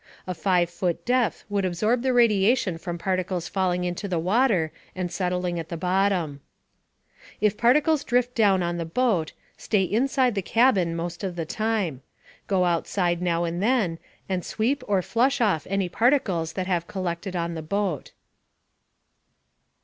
A 5 foot depth would absorb the radiation from particles falling into the water and settling on the bottom. If particles drift down on the boat, stay inside the cabin most of the time. Go outside now and then, and sweep or flush off any particles that have collected on the boat.